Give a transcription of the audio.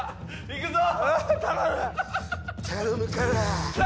いくぞ！